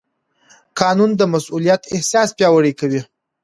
قانون د مسوولیت احساس پیاوړی کوي.